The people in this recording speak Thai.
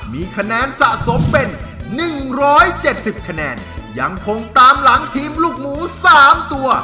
มีคะแนนสะสมเป็นหนึ่งร้อยเจ็ดสิบคะแนนยังคงตามหลังทีมลูกหมูสามตัว